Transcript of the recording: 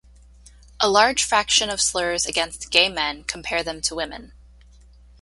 A large fraction of slurs against gay men compare them to women.